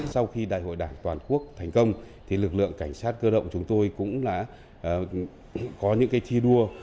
sau khi đại hội đảng toàn quốc thành công thì lực lượng cảnh sát cơ động chúng tôi cũng đã có những thi đua